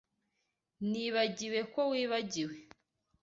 Nibagiwe ko wibagiwe.